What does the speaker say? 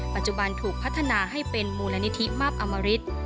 ปัจจุบันถูกพัฒนาให้เป็นมูลนิธิมาบอมริต